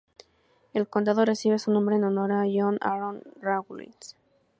El condado recibe su nombre en honor a John Aaron Rawlins.